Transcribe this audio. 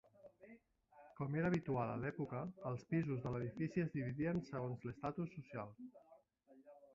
Com era habitual a l’època, els pisos de l’edifici es dividien segons l’estatus social.